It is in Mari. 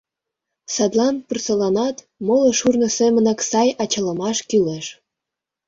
Садлан пурсаланат, моло шурно семынак сай ачалымаш кӱлеш.